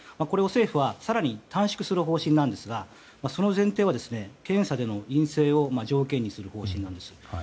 これを政府は更に短縮する方針ですがその前提は検査での陰性を条件にする方針です。